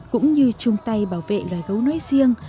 cũng như chung tay bảo vệ loài gấu nói riêng